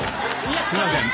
すいません。